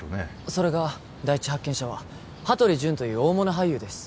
それが第一発見者は羽鳥潤という大物俳優です